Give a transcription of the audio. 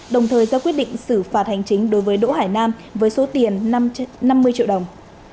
đồng thời ra quyết định xử phạt hành chính đối với đỗ hải nam với số tiền năm mươi triệu đồng